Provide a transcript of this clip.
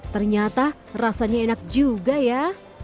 ternyata rasanya enak juga ya